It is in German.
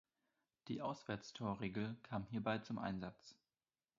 Die Auswärtstorregel kam hierbei zum Einsatz.